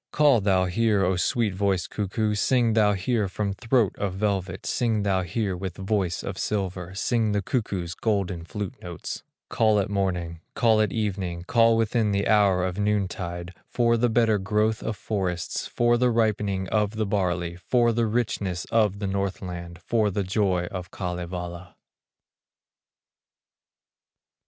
Call thou here, O sweet voiced cuckoo, Sing thou here from throat of velvet, Sing thou here with voice of silver, Sing the cuckoo's golden flute notes; Call at morning, call at evening, Call within the hour of noontide, For the better growth of forests, For the ripening of the barley, For the richness of, the Northland, For the joy of Kalevala."